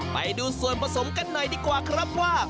ไปดูส่วนผสมกันหน่อยดีกว่าครับว่า